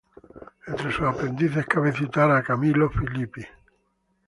Entre sus aprendices cabe citar a Camillo Filippi.